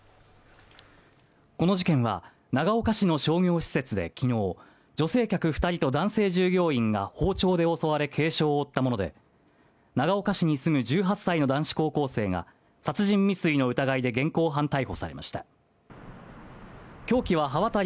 この事件は長岡市の商業施設できのう女性客二人と男性従業員が包丁で襲われ軽傷を負ったもので長岡市に住む１８歳の男子高校生が殺人未遂の疑いで現行犯逮捕されました凶器は刃渡り